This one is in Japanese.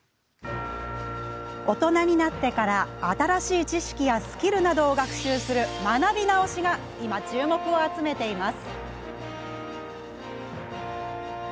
大人になってから新しい知識やスキルなどを学習する学び直しが今、注目を集めています。